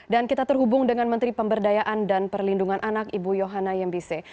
dan kita terhubung dengan menteri pemberdayaan dan perlindungan anak ibu yohana yembise